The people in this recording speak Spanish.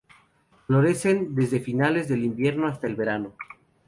Florecen desde finales del invierno hasta el verano.